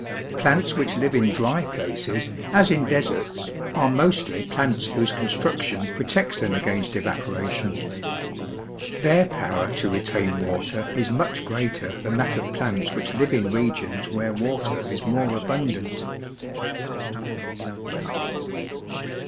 Plants which live in dry places, as in deserts, are mostly plants whose construction protects them against evaporation. Their power to retain water is much greater than that of plants which live in regions where water is more abundant.